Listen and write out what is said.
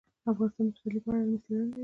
افغانستان د پسرلی په اړه علمي څېړنې لري.